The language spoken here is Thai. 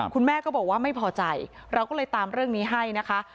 คุณแม่ก็บอกว่าไม่พอใจเราก็เลยตามเรื่องนี้ให้นะคะ